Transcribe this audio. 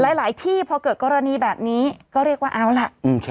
หลายหลายที่พอเกิดกรณีแบบนี้ก็เรียกว่าเอาล่ะอืมเช็คจริง